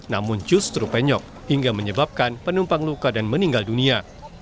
namun justru penyok hingga menyebabkan penumpang luka dan meninggal dunia